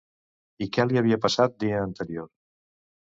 I què li havia passat dia anterior?